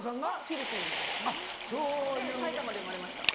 フィリピンで埼玉で生まれました。